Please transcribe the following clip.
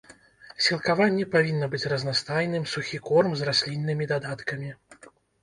Сілкаванне павінна быць разнастайным, сухі корм з расліннымі дадаткамі.